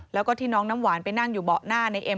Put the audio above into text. แล้วก็ที่น้องน้ำหวานไปนั่งอยู่เบาะหน้าในเอ็ม